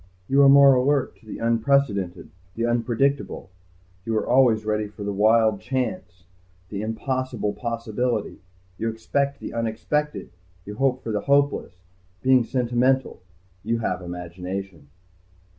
You are more alert to the unprecedented, the unpredictable. You are always ready for the Wild Chance, the impossible possibility. You expect the unexpected. You hope for the hopeless. Being sentimental, you have imagination."